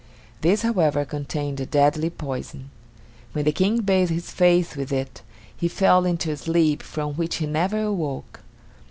This, however, contained a deadly poison. When the King bathed his face with it, he fell into a sleep from which he never awoke.